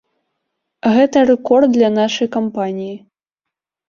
Гэта рэкорд для нашай кампаніі.